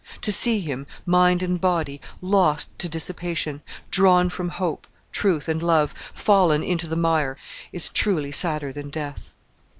To see him, mind and body, lost to dissipation, drawn from hope, truth, and love, fallen into the mire, is truly sadder than death.